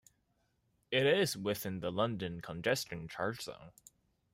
It is within the London congestion charge zone.